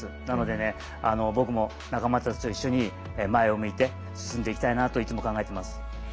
なのでね、僕も仲間たちと一緒に前を向いて進んでいきたいなといつも考えてます。